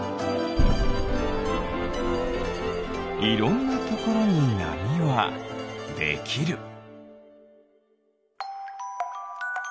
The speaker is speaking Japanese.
いろんなところになみはできる。